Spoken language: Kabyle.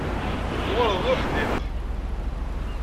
Tuɣaleḍ d uḥdiq.